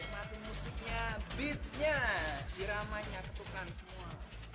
musiknya beatnya diramanya ketukan semua